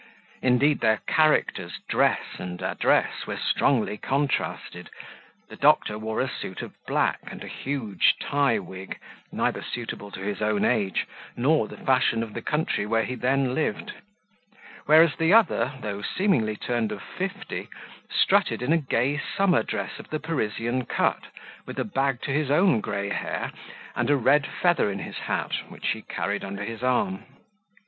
Indeed, their characters, dress, and address, were strongly contrasted: the doctor wore a suit of black, and a huge tie wig, neither suitable to his own age, nor the fashion of the country where he then lived; whereas the other, though seemingly turned of fifty, strutted in a gay summer dress of the Parisian cut, with a bag to his own grey hair, and a red feather in his hat, which he carried under his arm.